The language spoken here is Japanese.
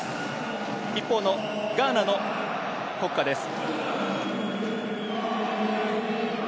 一方のガーナの国歌です。